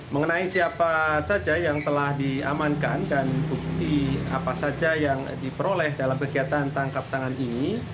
mengenai siapa saja yang telah diamankan dan bukti apa saja yang diperoleh dalam kegiatan tangkap tangan ini